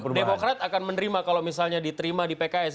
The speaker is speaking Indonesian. demokrat akan menerima kalau misalnya diterima di pks